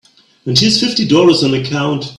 And here's fifty dollars on account.